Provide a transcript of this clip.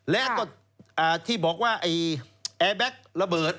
และก็ที่บอกว่าแอร์แบ็คระเบิด